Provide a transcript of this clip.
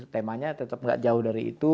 temanya tetep gak jauh dari itu